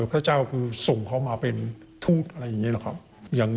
พระเจ้าคือส่งเขามาเป็นทูตอะไรอย่างนี้หรอครับ